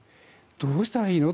どうしたらいいの？